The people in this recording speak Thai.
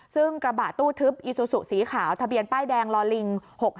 ซึ่งกระบะตู้ทึบอีซูซูสีขาวทะเบียนป้ายแดงลอลิง๖๕